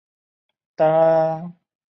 桃儿七属是小檗科下的一个属。